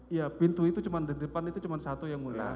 iya pintu itu cuma di depan itu cuma satu yang mulia